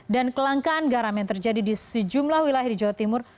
dan kelangkaan garam yang terjadi di sejumlah wilayah di jawa timur